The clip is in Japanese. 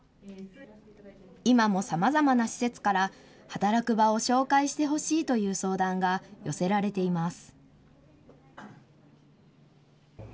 今もさまざまな施設から、働く場を紹介してほしいという相談が寄せられています。